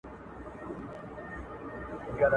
تر اټکه د هلیمند څپې رسیږي.